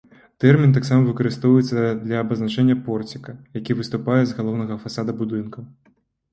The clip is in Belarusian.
Тэрмін таксама выкарыстоўваецца для абазначэння порціка, які выступае з галоўнага фасада будынкаў.